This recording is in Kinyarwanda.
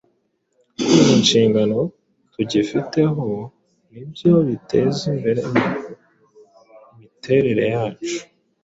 kuzuza inshingano tugifiteho ni byo biteza imbere imiterere yacu.